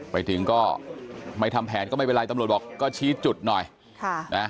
ไปถึงก็ไม่ทำแผนก็ไม่เป็นไรตำรวจบอกก็ชี้จุดหน่อยค่ะนะ